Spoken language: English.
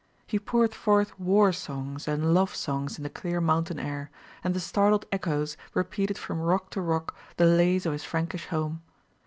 He poured forth war songs and love longs in the clear mountain air, and the startled echoes repeated from rock to rock the lays of his Frankish home.